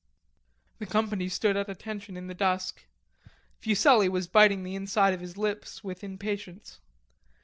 The company stood at attention in the dusk. Fuselli was biting the inside of his lips with impatience.